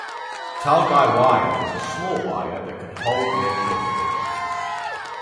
Talgai Weir is a small weir that can hold near Clifton.